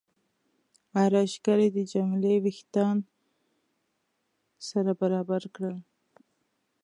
ارایشګرې د جميله وریښتان سره برابر کړل.